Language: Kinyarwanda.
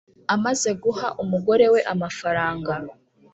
amaze guha umugore we amafaranga